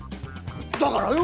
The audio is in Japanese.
だからよ！